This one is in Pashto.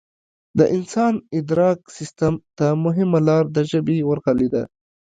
د انسان ادراک سیستم ته مهمه لار د ژبې ورغلې ده